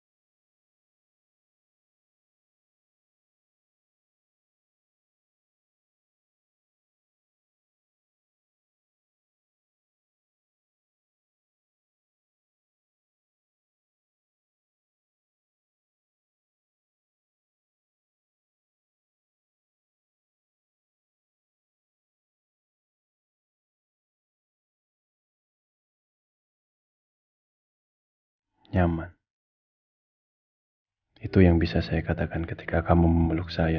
namun keahlian membuat sienna seperti itu tetapi sedulur dalam kegiatannya